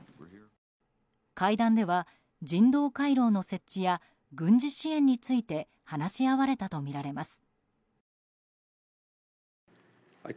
会談では人道回廊の設置や軍事支援について話し合われたとみられます。